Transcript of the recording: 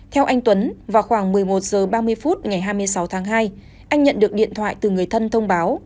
theo anh tuấn vào khoảng một mươi một h ba mươi phút ngày hai mươi sáu tháng hai anh nhận được điện thoại từ người thân thông báo